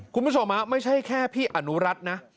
คุณผู้ชมไม่ใช่แค่พี่อนุรัตินะ